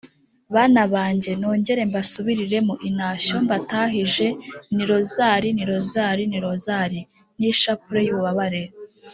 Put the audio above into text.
bana banjye nongere mbasubiriremo intashyo mbatahije ni rozari, ni rozari, ni rozari n’ishapule y’ububabare